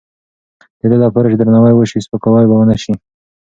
د دې لپاره چې درناوی وشي، سپکاوی به ونه شي.